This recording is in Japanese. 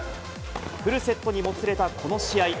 フルセットにもつれたこの試合。